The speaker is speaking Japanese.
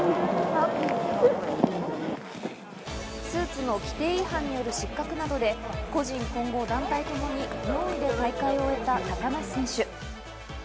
スーツの規定違反による失格などで個人、混合団体ともに４位で大会を終えた高梨選手。